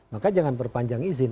maka jangan perpanjang izin